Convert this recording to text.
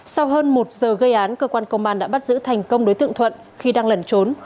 sau hơn một giờ gây án cơ quan công an đã bắt giữ thành công đối tượng thuận khi đang lẩn trốn